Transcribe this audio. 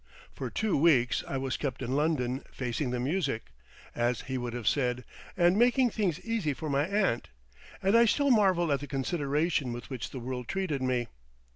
For two weeks I was kept in London "facing the music," as he would have said, and making things easy for my aunt, and I still marvel at the consideration with which the world treated me.